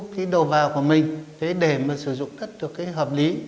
cái đầu vào của mình để sử dụng đất được hợp lý